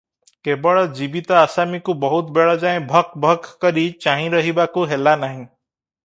କେବଳ ଜୀବିତ ଆସାମୀକୁ ବହୁତ ବେଳ ଯାଏ ଭକ ଭକ କରି ଚାହିଁ ରହିବାକୁ ହେଲାନାହିଁ ।